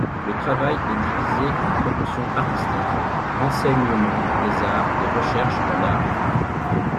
Le travail est divisé en production artistique, enseignement des arts et recherche en art.